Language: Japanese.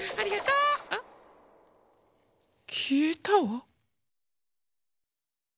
きえたわ。